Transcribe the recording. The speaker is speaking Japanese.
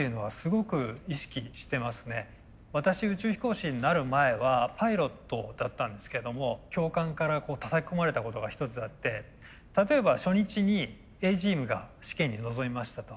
私宇宙飛行士になる前はパイロットだったんですけども教官からたたき込まれたことが一つあって例えば初日にＡチームが試験に臨みましたと。